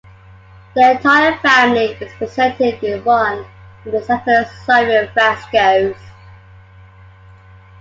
The entire family is represented in one of the Santa Sofia frescos.